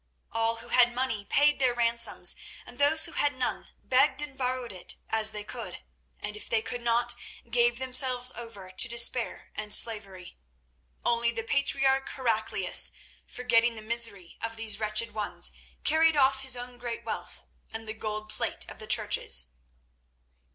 All who had money paid their ransoms, and those who had none begged and borrowed it as they could, and if they could not, gave themselves over to despair and slavery. Only the patriarch Heraclius, forgetting the misery of these wretched ones, carried off his own great wealth and the gold plate of the churches.